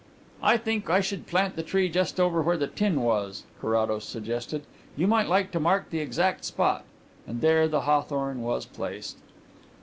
"I think I should plant the tree just over where the tin was," Carrados suggested. "You might like to mark the exact spot." And there the hawthorn was placed.